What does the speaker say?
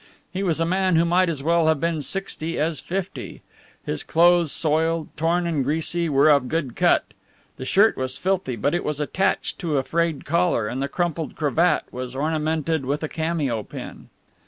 He was a man who might as well have been sixty as fifty. His clothes soiled, torn and greasy, were of good cut. The shirt was filthy, but it was attached to a frayed collar, and the crumpled cravat was ornamented with a cameo pin.